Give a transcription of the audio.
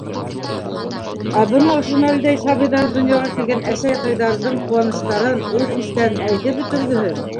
Ә бына ошо мәлдә сабыйҙары донъяға килгән әсәй-атайҙарҙың ҡыуаныстарын, уй-хистәрен әйтеп бөтөргөһөҙ.